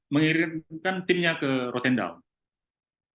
mengirimkan timnya ke rotendaun